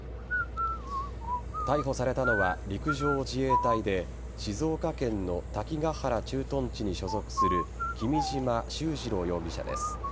逮捕されたのは、陸上自衛隊で静岡県の滝ヶ原駐屯地に所属する君島秀治郎容疑者です。